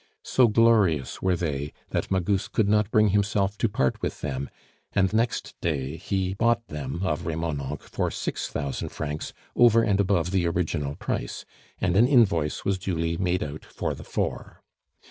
So glorious were they, that Magus could not bring himself to part with them, and next day he bought them of Remonencq for six thousand francs over and above the original price, and an invoice was duly made out for the four.